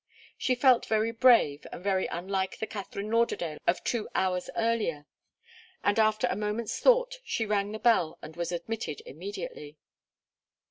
She felt very brave, and very unlike the Katharine Lauderdale of two hours earlier, and after a moment's thought, she rang the bell and was admitted immediately.